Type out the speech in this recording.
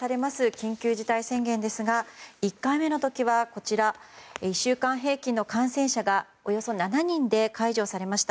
緊急事態宣言ですが１回目の時は１週間平均の感染者がおよそ７人で解除されました。